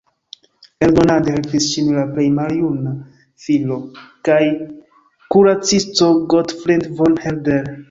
Eldonade helpis ŝin la plej maljuna filo kaj kuracisto Gottfried von Herder.